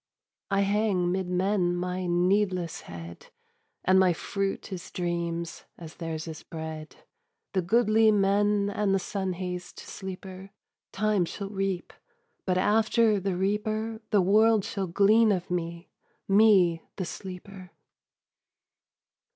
I hang 'mid men my needless head, And my fruit is dreams, as theirs is bread: The goodly men and the sun hazed sleeper Time shall reap; but after the reaper The world shall glean of me, me the sleeper!